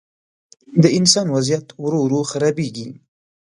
د انسان وضعیت ورو، ورو خرابېږي.